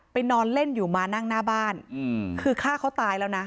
นอนเล่นอยู่มานั่งหน้าบ้านคือฆ่าเขาตายแล้วนะ